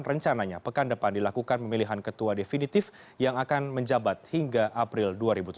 rencananya pekan depan dilakukan pemilihan ketua definitif yang akan menjabat hingga april dua ribu tujuh belas